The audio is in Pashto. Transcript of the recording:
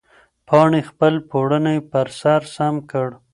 پاڼې خپل پړونی پر سر سم کړ.